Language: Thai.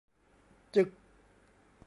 จึก